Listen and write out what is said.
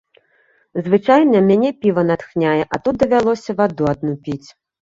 Звычайна мяне піва натхняе, а тут давялося ваду адну піць.